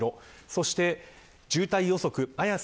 そして渋滞予測綾瀬